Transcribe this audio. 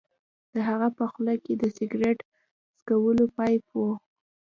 د هغه په خوله کې د سګرټ څکولو پایپ و